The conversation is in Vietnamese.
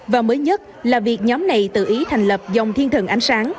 và mới nhất là việc nhóm này tự ý thành lập dòng thiên thần ánh sáng